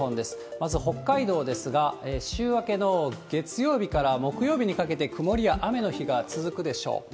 まず北海道ですが、週明けの月曜日から木曜日にかけて曇りや雨の日が続くでしょう。